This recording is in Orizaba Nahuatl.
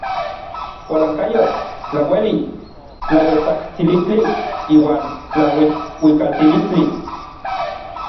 Kualankayotl, tlaueli, tlaueltsajtsilistli iuan tlauijuikaltilistli.